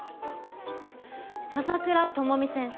笹倉智美先生。